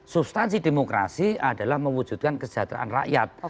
substansi demokrasi adalah mewujudkan kesejahteraan rakyat